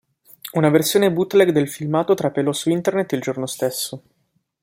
Una versione bootleg del filmato trapelò su Internet il giorno stesso.